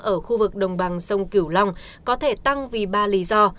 ở khu vực đồng bằng sông kiểu long có thể tăng vì ba lý do